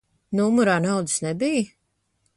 Numurā naudas nebija?